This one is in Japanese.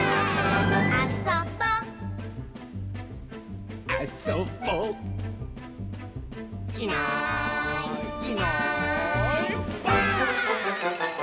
「あそぼ」「あそぼ」「いないいないばあっ！」